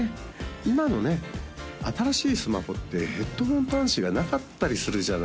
今のね新しいスマホってヘッドフォン端子がなかったりするじゃないですか？